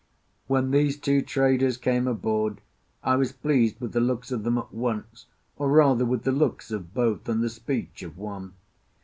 When these two traders came aboard I was pleased with the looks of them at once, or, rather, with the looks of both, and the speech of one.